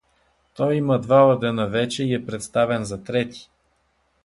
Той има два ордена вече и е представен за трети.